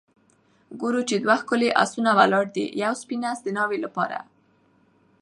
ګورو چې دوه ښکلي آسونه ولاړ دي ، یو سپین آس د ناوې لپاره